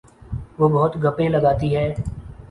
وہ بہت گپیں لگاتی ہے